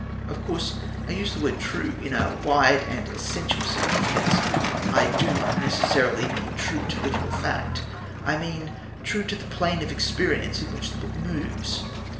(Of course, I use the word "true" in a wide and essential significance. I do not necessarily mean true to literal fact; I mean true to the plane of experience in which the book moves.